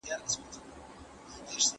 ژر لا مه راځه مرګیه لا په غېږ کي غوټۍ وړمه